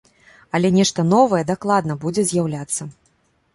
Але нешта новае дакладна будзе з'яўляцца.